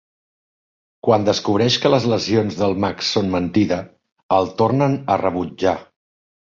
Quan descobreix que les lesions del Max són mentida, el tornen a rebutjar.